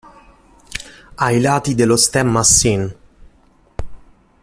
Ai lati dello stemma a sin.